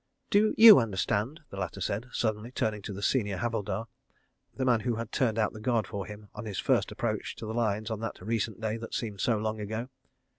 "Do you understand?" the latter said, suddenly, turning to the senior Havildar, the man who had turned out the Guard for him on his first approach to the Lines on that recent day that seemed so long ago.